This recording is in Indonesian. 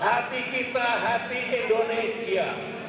hati kita hati indonesia